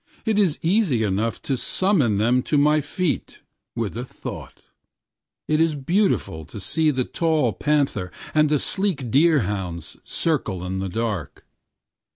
It is easy enough to summon them to my feet with a thought– it is beautiful to see the tall panther and the sleek deer hounds circle in the dark.